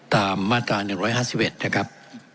ตามมาตรา๑๕๑นะครับ